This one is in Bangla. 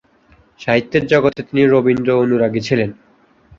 সাহিত্যের জগতে তিনি রবীন্দ্র অনুরাগী ছিলেন।